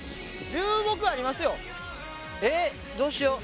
えっどうしよう。